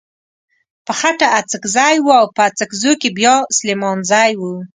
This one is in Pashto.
په خټه اڅکزی و او په اڅګزو کې بيا سليمانزی و.